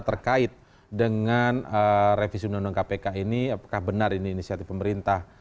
terkait dengan revisi undang undang kpk ini apakah benar ini inisiatif pemerintah